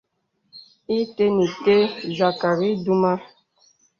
Ite nə̀ ite zakari dumə.